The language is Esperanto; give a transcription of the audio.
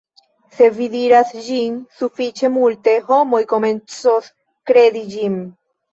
se vi diras ĝin sufiĉe multe, homoj komencos kredi ĝin